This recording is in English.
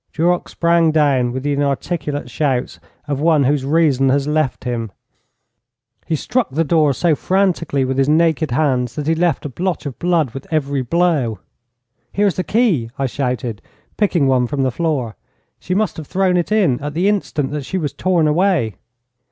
Duroc sprang down with the inarticulate shouts of one whose reason has left him. He struck the door so frantically with his naked hands that he left a blotch of blood with every blow. Here is the key!' I shouted, picking one from the floor. 'She must have thrown it in at the instant that she was torn away.'